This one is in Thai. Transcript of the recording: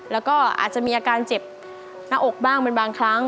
แล้วก็อาจจะมีอาการเจ็บหน้าอกบ้างเป็นบางครั้ง